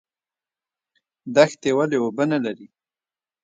دښتې ولې اوبه نلري؟